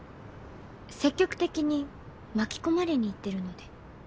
積極的に巻き込まれに行ってるので。